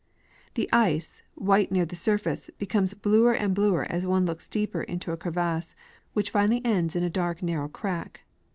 The ice, white near the surface, becomes bluer and bluer as one looks deeper into a crevasse, which finally ends in a dark narrow crack.